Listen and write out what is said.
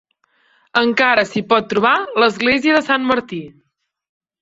Encara s'hi pot trobar l'església de Sant Martí.